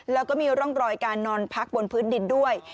แล้วก็มีร่องรอยการนอนพักบนพื้นดินด้วย